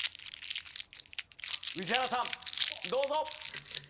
宇治原さんどうぞ。